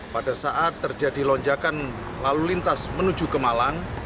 pada saat terjadi lonjakan lalu lintas menuju ke malang